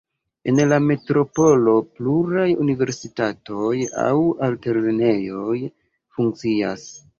En la metropolo pluraj universitatoj aŭ altlernejoj funkcias.